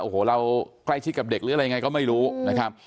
โอ้โหเราใกล้ชิดกับเด็กหรืออะไรยังไงก็ไม่รู้นะครับ